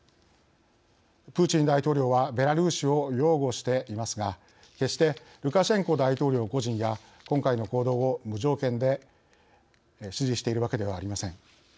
プーチン大統領はベラルーシを擁護していますが決してルカシェンコ大統領個人や今回の行動を、無条件で支持しているわけではありません。